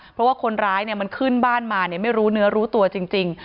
เพราะว่าคนร้ายมันขึ้นบ้านมาไม่รู้เนื้อรู้ตัวจริง